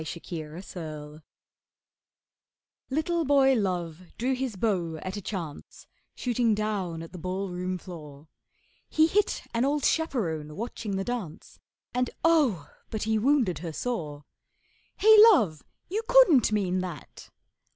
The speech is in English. THE BLIND ARCHER Little boy Love drew his bow at a chance, Shooting down at the ballroom floor; He hit an old chaperone watching the dance, And oh! but he wounded her sore. 'Hey, Love, you couldn't mean that!